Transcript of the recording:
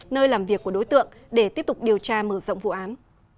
nơi làm việc của đối tượng để tiếp tục điều tra mở rộng vụ án